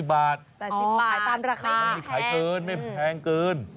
๘๐บาทไม่แพงขายเกินไม่แพงเกิน